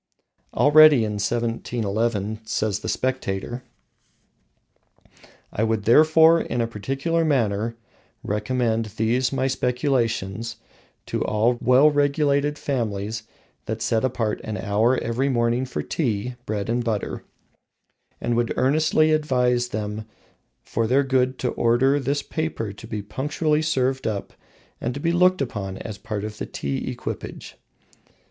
Already in 1711, says the Spectator: "I would therefore in a particular manner recommend these my speculations to all well regulated families that set apart an hour every morning for tea, bread and butter; and would earnestly advise them for their good to order this paper to be punctually served up and to be looked upon as a part of the tea equipage."